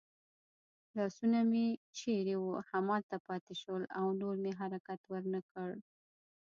لاسونه مې چېرې وو همالته پاتې شول او نور مې حرکت ور نه کړ.